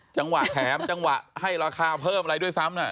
จังหวะแถมจังหวะให้ราคาเพิ่มอะไรด้วยซ้ำ